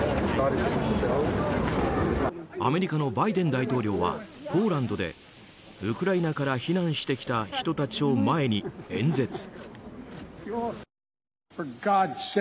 アメリカのバイデン大統領はポーランドでウクライナから避難してきた人たちを前に演説。